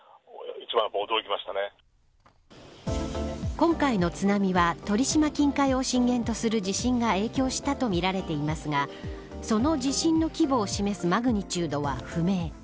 今回の津波は鳥島近海を震源とする地震が影響したとみられていますがその地震の規模を示すマグニチュードは不明。